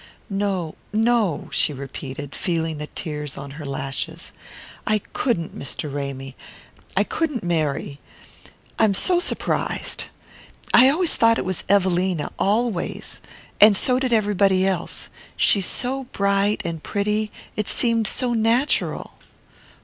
"No, no," she repeated, feeling the tears on her lashes. "I couldn't, Mr. Ramy, I couldn't marry. I'm so surprised. I always thought it was Evelina always. And so did everybody else. She's so bright and pretty it seemed so natural."